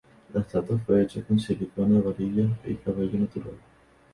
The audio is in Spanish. La estatua fue hecha con silicona, varillas y cabello natural.